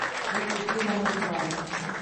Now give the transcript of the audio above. Гэта ўсё я набываю.